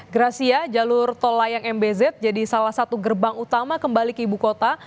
gracia jalur tol layang mbz jadi salah satu gerbang utama kembali ke ibu kota